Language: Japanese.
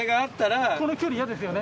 この距離嫌ですよね。